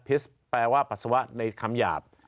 แปลว่าปัสสาวะในคำหยาบ